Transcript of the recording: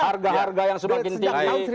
harga harga yang semakin tinggi